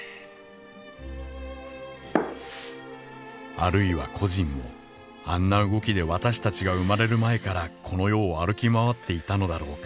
「あるいは故人も、あんな動きで私たちが生まれる前から、この世を歩き回っていたのだろうか。